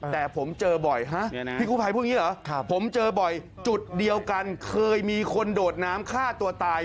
แต่ผมเจอบ่อยฮะพี่กู้ภัยพวกนี้เหรอผมเจอบ่อยจุดเดียวกันเคยมีคนโดดน้ำฆ่าตัวตาย